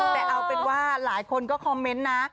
แต่เอาเป็นว่าหลายคนก็คอมเมนต์นะ